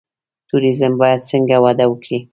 توریزم باید څنګه وده وکړي؟